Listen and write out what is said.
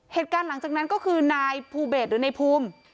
เหตุการณ์หลังจากนั้นนายภูเบทรอดนายพูม